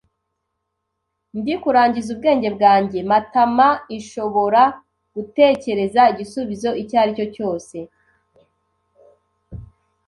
Ndi kurangiza ubwenge bwanjye. Matamainshobora gutekereza igisubizo icyo aricyo cyose.